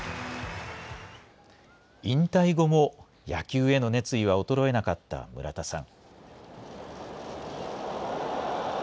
引退後も野球への熱意は衰えなかった村田さん。